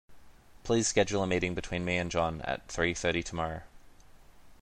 Please schedule a meeting between me and John at three thirty tomorrow.